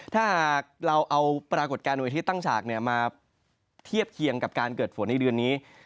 ถ้าหากเราเอาปรากฏการณ์โดยที่ตั้งฉากมาเทียบเคียงกับการเกิดฝนในเดือนนี้